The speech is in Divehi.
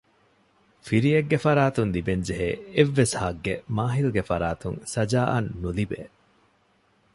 ފިރިއެއްގެ ފަރާތުން ލިބެންޖެހޭ އެއްވެސް ހައްގެއް މާހިލްގެ ފަރާތުން ސަޖާއަށް ނުލިބޭ